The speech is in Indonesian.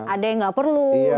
ada yang tidak perlu